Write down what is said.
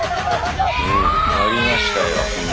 やりましたよ。